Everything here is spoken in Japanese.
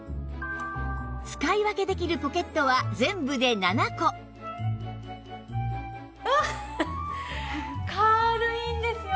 使い分けできるポケットは全部で７個わあ軽いんですよね